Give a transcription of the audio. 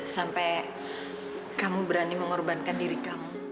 sampai kamu berani mengorbankan dirimu